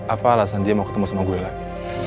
apa alasan dia mau ketemu sama gue lagi